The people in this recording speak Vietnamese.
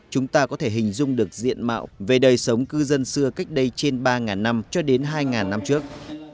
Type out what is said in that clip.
chúng ta có thể hình dung được diện mạo về đời sống cư dân xưa cách đây trên ba năm cho đến hai năm trước